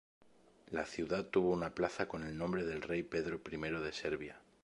La ciudad tuvo una plaza con el nombre del rey Pedro I de Serbia.